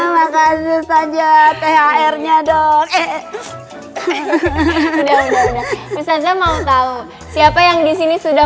terima kasih saja thr nya dong eh udah udah bisa mau tahu siapa yang disini sudah